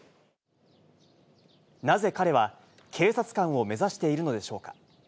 なぜ彼は警察官を目指しているのでしょうか。